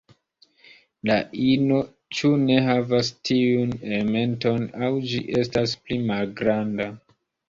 La ino ĉu ne havas tiun elementon aŭ ĝi estas pli malgranda.